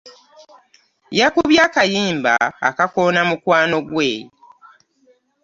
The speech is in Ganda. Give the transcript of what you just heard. Yakubye akayimba akakoona mukwano gwe.